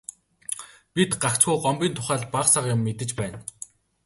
Бид гагцхүү Гомбын тухай л бага сага юм мэдэж байна.